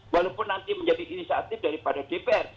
walaupun nanti menjadi inisiatif daripada dpr